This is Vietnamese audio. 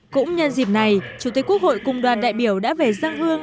cũng nhân dịp này chủ tịch quốc hội cùng đoàn đại biểu đã về dân hương